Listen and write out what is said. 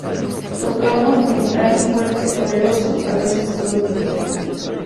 Tocamos metal fuerte, poderoso, a veces irónico.